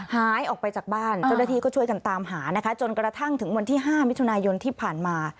หายออกไปจากบ้านจนกระทั่งถึงวันที่๕มิถุนายนที่ผ่านมา